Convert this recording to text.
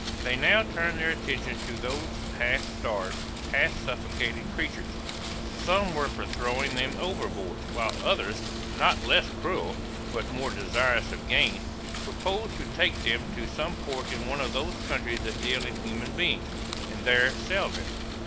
They now turned their attention to those half starved, half suffocated creatures; some were for throwing them overboard, while others, not less cruel, but more desirous of gain, proposed to take them to some port in one of those countries that deal in human beings, and there sell them.